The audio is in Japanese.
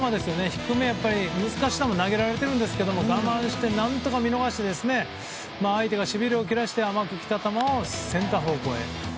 低めの難しい球投げられているんですけど我慢して何とか見逃して相手がしびれを切らして甘く来た球をセンター方向へ。